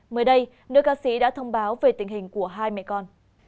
mới đây nữ ca sĩ đã thông báo về tình hình của hai mẹ con